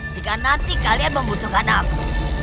jika nanti kalian membutuhkan aku